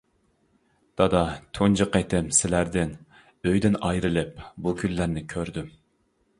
دادا تۇنجى قېتىم سىلەردىن، ئۆيدىن ئايرىلىپ بۇ كۈنلەرنى كۆردۈم.